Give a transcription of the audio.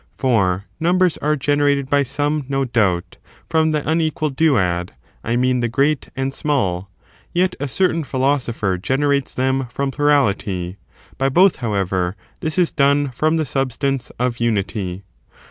For numbers are generated by some, no doubt, from the unequal duad — 1 mean, the great and small ; yet a certain philosopher generates them from plurality : by both, however, this is done from the substance of imity.